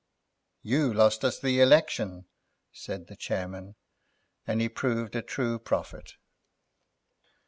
"You lost us the election," said the chairman, and he proved a true prophet.